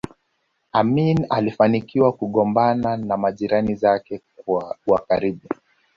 Amin alifanikiwa kugombana na majirani zake wa karibu